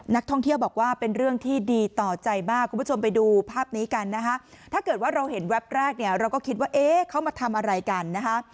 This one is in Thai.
นักท่องเที่ยวบอกว่าเป็นเรื่องที่ดีต่อใจมากคุณผู้ชมไปดูภาพนี้กันนะคะถ้าเกิดว่าเราเห็นแวบแรกเนี่ยเราก็คิดว่าเอ๊ะเขามาทำอะไรกันนะคะ